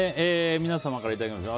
皆様からいただきました